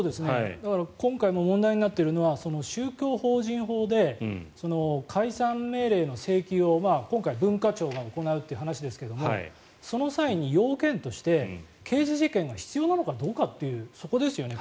今回も問題になっているのは宗教法人法で解散命令の請求を今回文化庁が行うという話ですけれどその際に要件として刑事事件が必要なのかどうかというそこですよね。